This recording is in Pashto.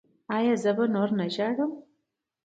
ایا زه به نور نه ژاړم؟